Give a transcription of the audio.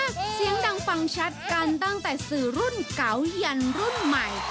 เสียงดังฟังชัดกันตั้งแต่สื่อรุ่นเก่ายันรุ่นใหม่